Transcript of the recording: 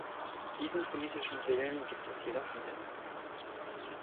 Diesen politischen Willen gibt es jedoch wieder.